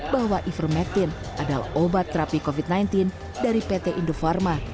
bahwa ivermetin adalah obat terapi covid sembilan belas dari pt indofarma